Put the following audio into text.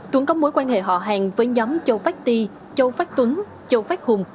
tuấn có mối quan hệ họ hàng với nhóm châu pháp tì châu pháp tuấn châu pháp hùng